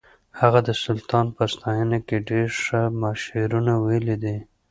هغه د سلطان په ستاینه کې ډېر ښه شعرونه ویلي دي